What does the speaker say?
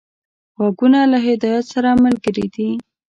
غوږونه له هدایت سره ملګري دي